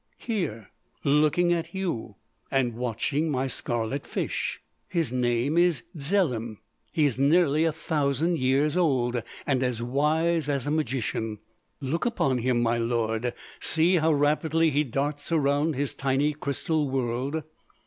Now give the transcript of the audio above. "Here!... Looking at you.... And watching my scarlet fish. His name is Dzelim. He is nearly a thousand years old and as wise as a magician. Look upon him, my lord! See how rapidly he darts around his tiny crystal world!